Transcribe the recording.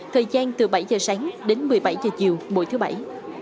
thời gian từ bảy giờ sáng đến một mươi bảy giờ chiều mỗi thứ bảy